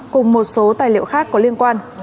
cùng một số tài liệu khác có liên quan